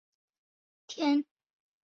天柱民族民间文化丰富多彩。